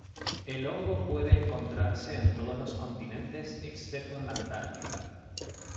El hongo puede encontrarse en todos los continentes excepto en la Antártida.